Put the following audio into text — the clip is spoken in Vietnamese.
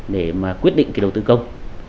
để mà quyết định cái đầu tư công